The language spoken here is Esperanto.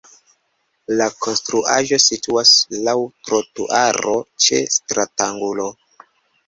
La konstruaĵo situas laŭ trotuaro ĉe stratangulo.